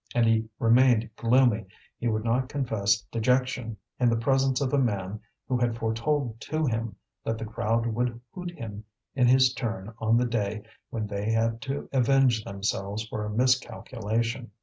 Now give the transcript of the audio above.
And he remained gloomy, he would not confess dejection in the presence of a man who had foretold to him that the crowd would hoot him in his turn on the day when they had to avenge themselves for a miscalculation.